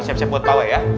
siap siap buat pawai ya